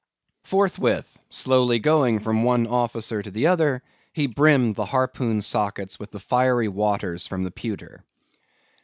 Forthwith, slowly going from one officer to the other, he brimmed the harpoon sockets with the fiery waters from the pewter.